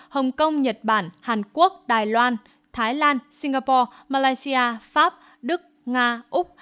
hồng kông nhật bản hàn quốc đài loan thái lan singapore malaysia pháp đức nga úc